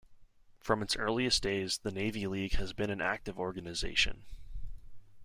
From its earliest days, the Navy League has been an active organization.